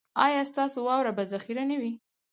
ایا ستاسو واوره به ذخیره نه وي؟